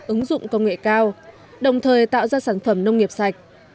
ứng dụng công nghệ cao đồng thời tạo ra sản phẩm nông nghiệp sạch